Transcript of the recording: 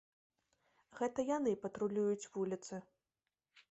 Гэта яны патрулююць вуліцы.